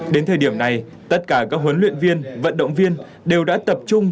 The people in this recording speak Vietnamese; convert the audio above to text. đến thời điểm này tất cả các huấn luyện viên vận động viên đều đã tập trung